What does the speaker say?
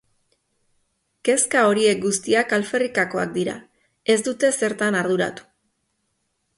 Kezka horiek guztiak alferrikakoak dira, ez dute zertan arduratu.